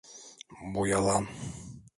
Bu yalan!